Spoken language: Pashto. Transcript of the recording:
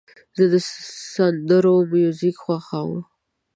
زه د سندرو میوزیک خوښوم.